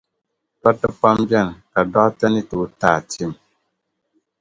Dɔriti pam beni ka dokta ni tooi t’a tim.